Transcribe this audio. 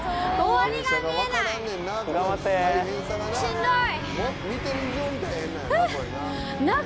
しんどい！